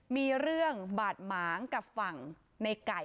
มีเรื่องบาดหมางกับฝั่งในไก่